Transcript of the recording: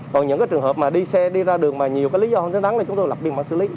còn những trường hợp mà đi xe đi ra đường mà nhiều lý do không xứng đáng thì chúng tôi lập biên bản xử lý